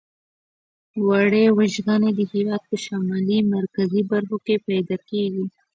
وړۍ وژغنې د هېواد په شمالي مرکزي برخو کې پیداکیږي.